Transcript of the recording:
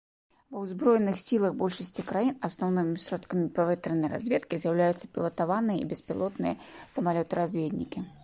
Ва ўзброеных сілах большасці краін асноўнымі сродкамі паветранай разведкі з'яўляецца пілатаваныя і беспілотныя самалёты-разведнікі.